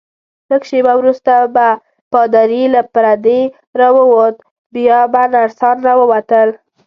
لږ شیبه وروسته به پادري له پردې راووت، بیا به نرسان راووتل.